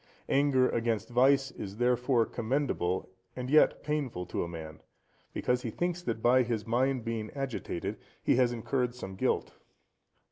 Anger against vice is, therefore, commendable, and yet painful to a man, because he thinks that by his mind being agitated, he has incurred some guilt.